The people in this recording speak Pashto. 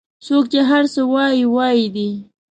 څوک چې هر څه وایي وایي دي